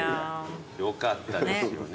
よかったですよね